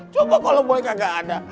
coba kalau boleh kagak ada